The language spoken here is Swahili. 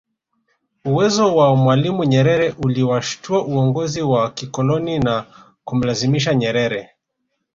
Uwezo wa mwalimu Nyerere uliwashitua uongozi wa kikoloni na kumlazimisha Nyerere